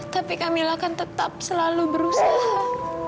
tapi kami akan tetap selalu berusaha